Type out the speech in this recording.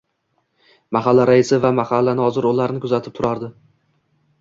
Mahalla raisi va mahalla noziri ularni kuzatib turardi.